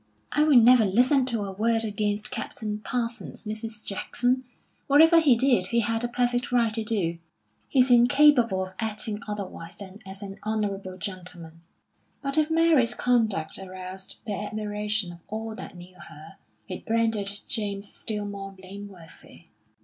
"I will never listen to a word against Captain Parsons, Mrs. Jackson. Whatever he did, he had a perfect right to do. He's incapable of acting otherwise than as an honourable gentleman." But if Mary's conduct aroused the admiration of all that knew her, it rendered James still more blameworthy.